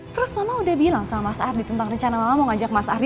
terus mama udah bilang sama mas ardi tentang rencana mama mau ngajak mas ardi